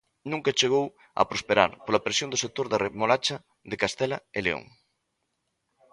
Nunca chegou a prosperar pola presión do sector da remolacha de Castela e León.